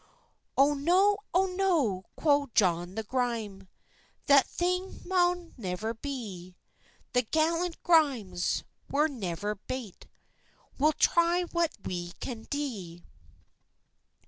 "Oh no, oh no!" quo' John the Gryme, "That thing maun never be; The gallant Grymes were never bate, We'll try what we can dee."